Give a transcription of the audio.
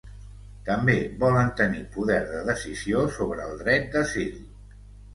També volen tenir poder de decisió sobre el dret d’asil.